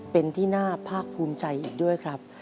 เป็นที่น่าภาคภูมิใจอีกด้วยครับ